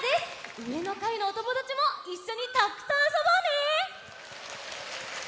うえのかいのおともだちもいっしょにたっくさんあそぼうね！